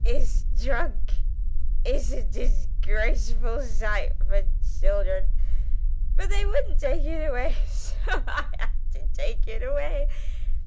It'sh drunk; it'sh a dishgraceful sight for children!' But they wouldn't take it away; sho I had to take it away.